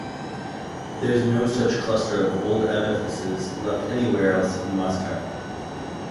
There is no other such cluster of old edifices left anywhere else in Moscow.